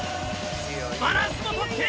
バランスも取っている！